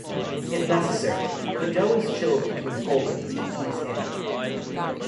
If necessary, the dough is chilled between foldings to ease handling.